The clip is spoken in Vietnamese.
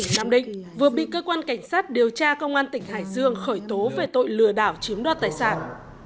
nam định vừa bị cơ quan cảnh sát điều tra công an tỉnh hải dương khởi tố về tội lừa đảo chiếm đoạt tài sản